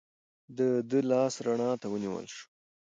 د ده لاس رڼا ته ونیول شو.